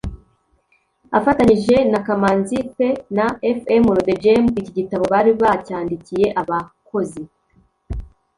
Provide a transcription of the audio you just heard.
afatanyije na kamazi th. na f.m. rodegem. iki gitabo bari bacyandikiye abakozi